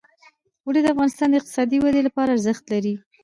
اوړي د افغانستان د اقتصادي ودې لپاره ارزښت لري.